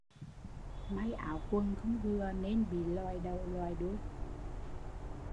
May áo quần không vừa nên bị lòi đầu lòi đuôi